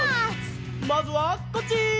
まずはこっち！